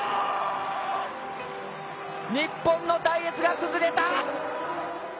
日本の隊列が崩れた！